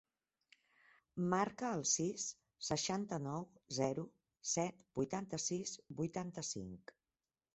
Marca el sis, seixanta-nou, zero, set, vuitanta-sis, vuitanta-cinc.